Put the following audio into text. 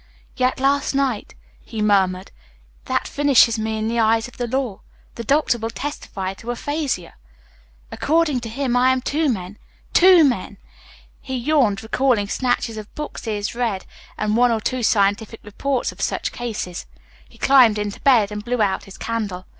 "Yet last night " he murmured. "That finishes me in the eyes of the law. The doctor will testify to aphasia. According to him I am two men two men!" He yawned, recalling snatches of books he had read and one or two scientific reports of such cases. He climbed into bed and blew out his candle.